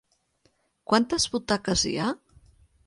Quantes butaques hi ha?